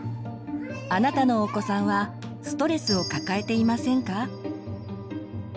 あなたのお子さんはストレスを抱えていませんか？